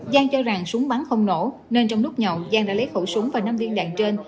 giang cho rằng súng bắn không nổ nên trong lúc nhậu giang đã lấy khẩu súng và năm viên đạn trên